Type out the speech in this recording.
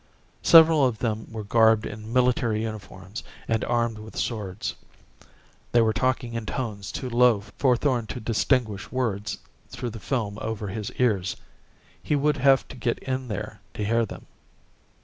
Several of them were garbed in military uniforms and armed with swords. They were talking in tones too low for Thorn to distinguish words through the film over his ears. He would have to get in there to hear them.